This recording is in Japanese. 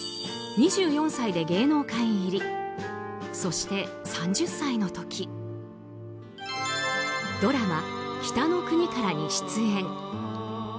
２４歳で芸能界入りそして、３０歳の時ドラマ「北の国から」に出演。